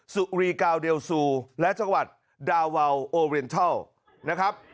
สุรีกาวเดลซูและจังหวัดดาวาวโอเรนทรัลนะครับ